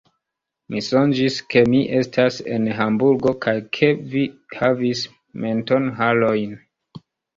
Mi sonĝis, ke mi estas en Hamburgo kaj ke vi havis mentonharojn.